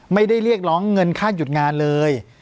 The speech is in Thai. เรียกร้องเงินค่าหยุดงานเลย